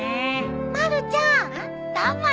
・まるちゃん。